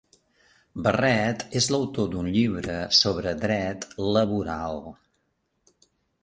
Barret és l'autor d'un llibre sobre dret laboral.